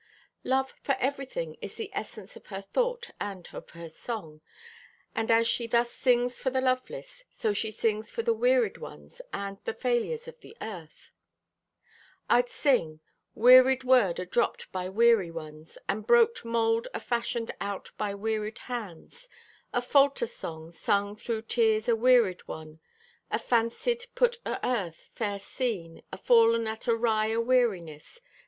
Love for everything is the essence of her thought and of her song. And as she thus sings for the loveless, so she sings for the wearied ones and the failures of the earth: I'd sing. Wearied word adropped by weary ones, And broked mold afashioned out by wearied hands; A falter song sung through tears o' wearied one; A fancied put o' earth's fair scene Afallen at awry o' weariness.